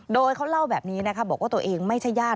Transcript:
โดยเขาเล่าแบบนี้นะคะบอกว่าตัวเองไม่ใช่ญาติ